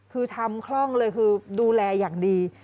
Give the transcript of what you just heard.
คือทำคล่องเลยคือดูแลอย่างดี